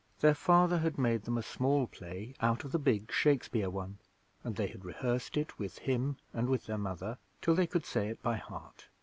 Their father had made them a small play out of the big Shakespeare one, and they had rehearsed it with him and with their mother till they could say it by heart.